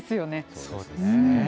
そうですね。